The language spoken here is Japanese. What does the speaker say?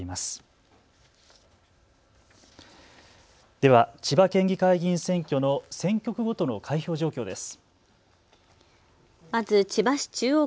では千葉県議会議員選挙の選挙区ごとの開票状況です。